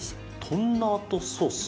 トンナートソース？